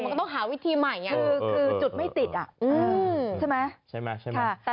มันก็ต้องหาวิธีใหม่อย่างนี้คือคือจุดไม่ติดอ่ะอืมใช่ไหมใช่ไหมใช่ไหม